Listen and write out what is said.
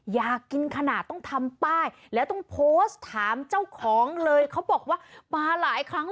อยากกินขนาดต้องทำป้าย